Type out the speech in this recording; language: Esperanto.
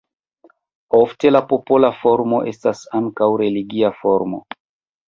Ofte la popola formo estas ankaŭ religia forma.